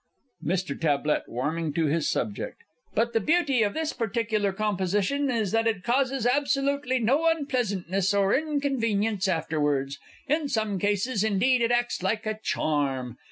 MR. T. (warming to his subject). But the beauty of this particular composition is that it causes absolutely no unpleasantness or inconvenience afterwards. In some cases, indeed, it acts like a charm.